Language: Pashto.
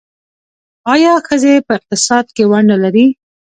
آیا ښځې په اقتصاد کې ونډه لري؟